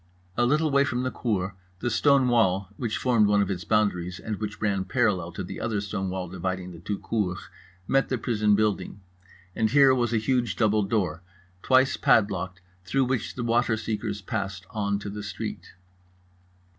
A little way from the cour, the stone wall (which formed one of its boundaries and which ran parallel to the other stone wall dividing the two cours) met the prison building; and here was a huge double door, twice padlocked, through which the waterseekers passed on to the street.